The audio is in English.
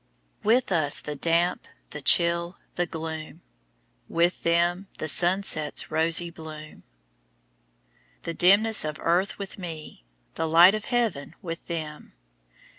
With us the damp, the chill, the gloom; With them the sunset's rosy bloom. The dimness of earth with me, the light of heaven with them.